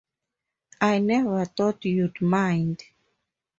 I never thought you’d mind.